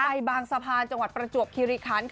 บางสะพานจังหวัดประจวบคิริคัน